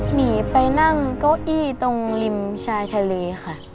หนีไปนั่งเก้าอี้ตรงริมชายทะเลค่ะ